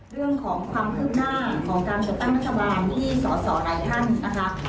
เรื่องของความคืบหน้าของการจัดตั้งรัฐบาลที่สอสอหลายท่านนะคะ